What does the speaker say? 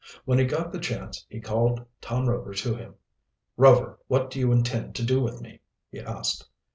When he got the chance he called Tom Rover to him. "Rover, what do you intend to do with me?" he asked.